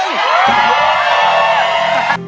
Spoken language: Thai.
บอก